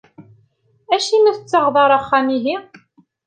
Acimi ur tettaɣeḍ ara axxam-ihi?